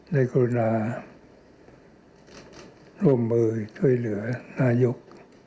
กรุณาร่วมมือช่วยเหลือนายก